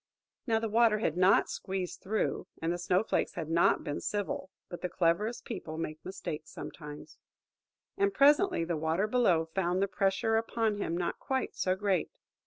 Now the Water had not squeezed through, and the Snow flakes had not been civil; but the cleverest people make mistakes sometimes. And presently the Water below found the pressure upon him not quite so great.